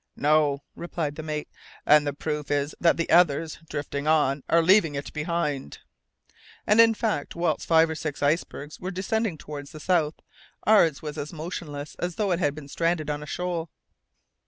"No," replied the mate, "and the proof is that the others, drifting on, are leaving it behind!" And, in fact, whilst five or six icebergs were descending towards the south, ours was as motionless as though it had been stranded on a shoal.